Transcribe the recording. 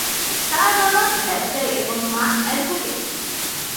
তার বাবা ব্যবসায়ী এবং মা অ্যাডভোকেট।